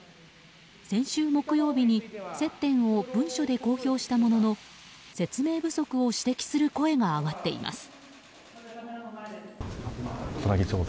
先週木曜日に接点を文書で公表したものの説明不足を指摘する声が上がっています。